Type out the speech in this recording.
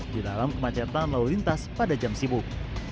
di dalam kemacetan lalu lintas pada jam sibuk